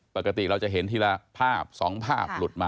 ปกติเราจะเห็นทีละภาพ๒ภาพหลุดมา